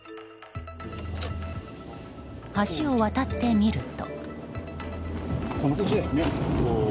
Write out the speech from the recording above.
橋を渡ってみると。